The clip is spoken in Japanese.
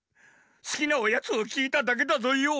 すきなおやつをきいただけだぞよ。